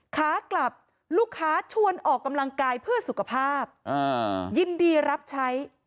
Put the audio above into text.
ขากลับลูกค้าชวนออกกำลังกายเพื่อสุขภาพยินดีรับใช้